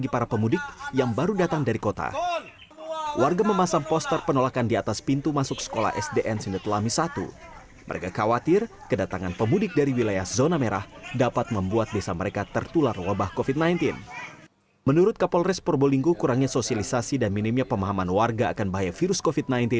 probolinggo kurangnya sosialisasi dan minimnya pemahaman warga akan bahaya virus covid sembilan belas